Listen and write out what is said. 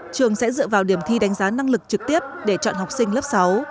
trường sẽ dựa vào điểm thi đánh giá năng lực trực tiếp để chọn học sinh lớp sáu